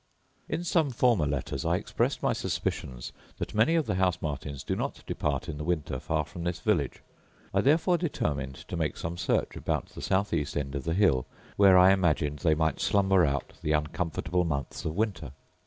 In some former letters I expressed my suspicions that many of the house martins do not depart in the winter far from this village. I therefore determined to make some search about the south east end of the hill, where I imagined they might slumber out the uncomfortable months of winter.